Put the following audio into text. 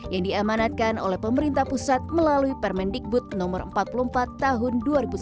yang diamanatkan oleh pemerintah pusat melalui permendikbud no empat puluh empat tahun dua ribu sembilan belas